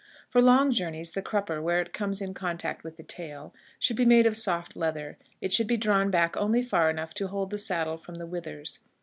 For long journeys, the crupper, where it comes in contact with the tail, should be made of soft leather. It should be drawn back only far enough to hold the saddle from the withers.